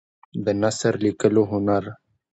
د نثر لیکلو هنر